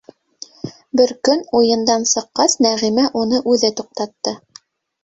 Бер көн, уйындан сыҡҡас, Нәғимә уны үҙе туҡтатты.